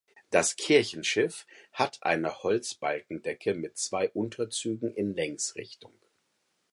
Das Kirchenschiff hat eine Holzbalkendecke mit zwei Unterzügen in Längsrichtung.